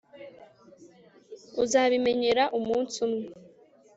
uzabimenyera umunsi umwe